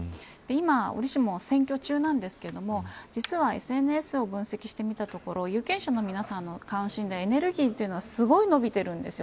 今、選挙中なんですけれども実は、ＳＮＳを分析してみたところ有権者の皆さんの関心ってエネルギーというのはすごい伸びているんです。